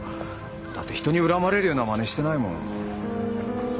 だって人に恨まれるような真似してないもん。